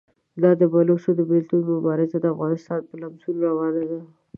دا د بلوڅو د بېلتون مبارزه د افغانستان په لمسون روانه ده.